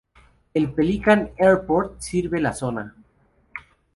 El Pelican Airport sirve la zona.